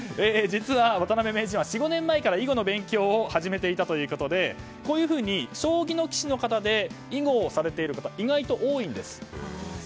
実は渡辺名人は４５年前から囲碁の勉強を始めていたということでこういうふうに将棋の騎士の方で囲碁をされている方は意外と多いんです。